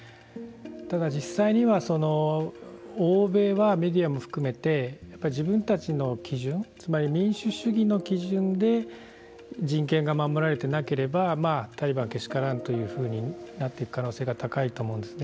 ただ実際には欧米はメディアも含めて自分たちの基準つまり民主主義の基準で人権が守られてなければタリバンけしからんというふうになっていく可能性が高いと思うんですね。